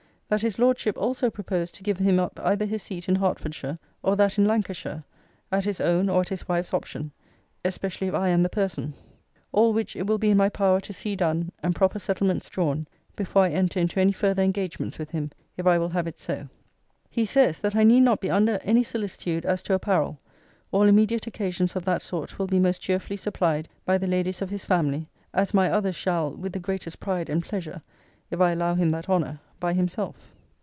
That his lordship also proposed to give him up either his seat in Hertfordshire, or that in Lancashire, at his own or at his wife's option, especially if I am the person. All which it will be in my power to see done, and proper settlements drawn, before I enter into any farther engagements with him; if I will have it so.' He says, 'That I need not be under any solicitude as to apparel: all immediate occasions of that sort will be most cheerfully supplied by the ladies of his family: as my others shall, with the greatest pride and pleasure (if I allow him that honour) by himself.